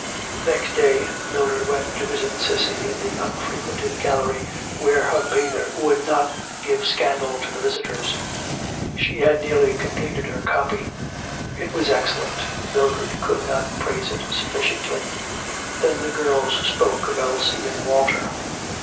Next day, Mildred went to visit Cissy in the unfrequented gallery where her 'Bather' would not give scandal to the visitors. She had nearly completed her copy; it was excellent, and Mildred could not praise it sufficiently. Then the girls spoke of Elsie and Walter.